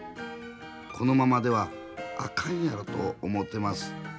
このままではあかんやろと思てます。